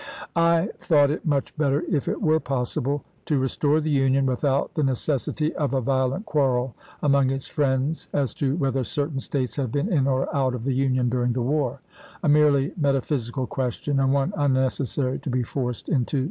I thought it much better, if it were possible, to restore the Union without the necessity of a violent quarrel among its friends as to whether certain States have been in or out of the Union during the war — a merely metaphysical question, and one unnecessary to be forced into iwa.